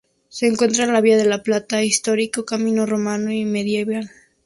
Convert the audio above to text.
Se encuentra en la Vía de la Plata, histórico camino romano y medieval.